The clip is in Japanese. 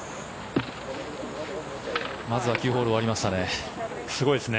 まずは９ホール終わりましたね。